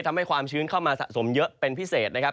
ความชื้นเข้ามาสะสมเยอะเป็นพิเศษนะครับ